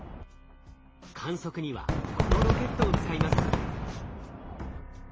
観測にはこのロケットを使います。